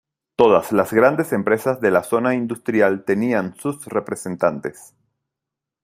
Todas las grandes empresas de la zona industrial tenían sus representantes.